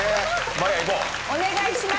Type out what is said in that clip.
お願いします。